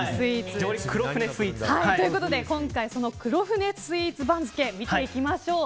ということで今回この黒船スイーツ番付見ていきましょう。